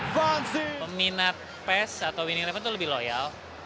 peminat pes atau winning eleven itu lebih loyal